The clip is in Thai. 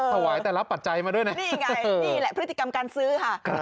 ถวายแต่รับปัจจัยมาด้วยนะนี่ไงนี่แหละพฤติกรรมการซื้อค่ะ